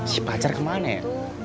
si pacar kemana ya